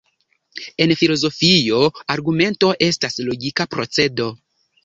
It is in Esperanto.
En filozofio, argumento estas logika procedo.